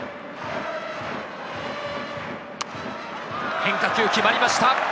変化球、決まりました！